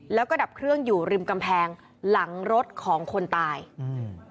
แล้วก็ดับเครื่องอยู่ริมกำแพงหลังรถของคนตายอืม